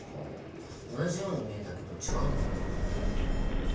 同じように見えたけど違うんだね。